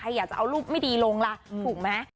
ใครอยากจะเอารูปไม่ดีลงล่ะ